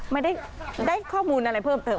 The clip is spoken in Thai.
ไม่ได้ข้อมูลอะไรเพิ่มเติม